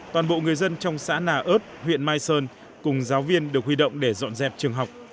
toàn bộ người dân trong xã nà ớt huyện mai sơn cùng giáo viên được huy động để dọn dẹp trường học